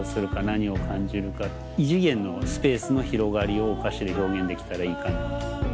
異次元のスペースの広がりをお菓子で表現できたらいいかな。